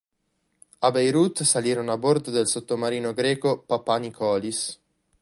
A Beirut salirono a bordo del sottomarino greco "Papanicolis".